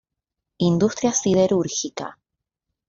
Industria siderúrgica